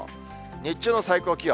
日中の最高気温。